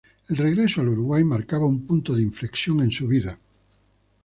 El regreso al Uruguay marcará un punto de inflexión en su vida.